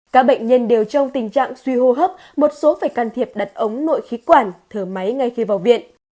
các bệnh nhân đều trong tình trạng suy hô hấp một số phải can thiệp đặt ống nội khí quản thở máy ngay khi vào viện